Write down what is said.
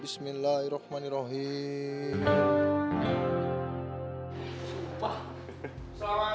selamat pagi semua